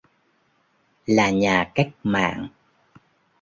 là nhà cách mạng